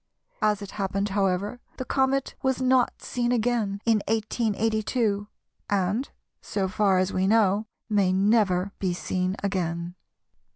As it happened, however, the comet was not seen again in 1882, and, so far as we know, may never be seen again.